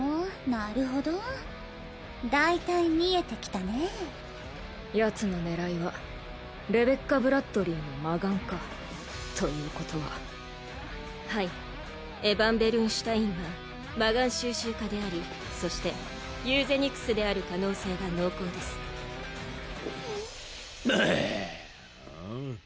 なるほど大体見えてきたねヤツの狙いはレベッカ＝ブラッドリィの魔眼かということははいエヴァン＝ベルンシュタインは魔眼収集家でありそしてユーゼニクスである可能性が濃厚ですああうん？